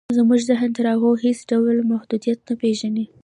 زموږ ذهن تر هغو هېڅ ډول محدودیت نه پېژني